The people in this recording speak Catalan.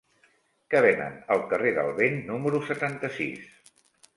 Què venen al carrer del Vent número setanta-sis?